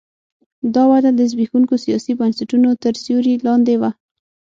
دا وده د زبېښونکو سیاسي بنسټونو تر سیوري لاندې وه.